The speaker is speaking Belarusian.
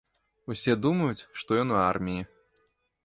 Усе думаюць, што ён у арміі.